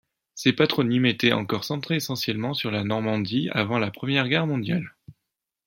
Ces patronymes étaient encore centrés essentiellement sur la Normandie avant la première guerre mondiale.